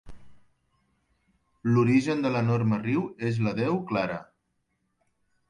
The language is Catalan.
L'origen de l'enorme riu és la deu clara.